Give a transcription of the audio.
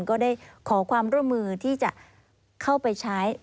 ก็ได้ขอความร่วมมือที่จะเข้าไปใช้